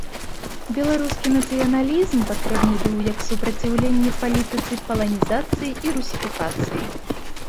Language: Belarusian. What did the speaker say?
Беларускі нацыяналізм патрэбны быў як супраціўленне палітыцы паланізацыі і русіфікацыі.